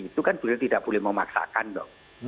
itu kan beliau tidak boleh memaksakan dong